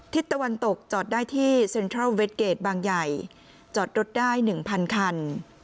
ตะวันตกจอดได้ที่เซ็นทรัลเวทเกจบางใหญ่จอดรถได้๑๐๐คัน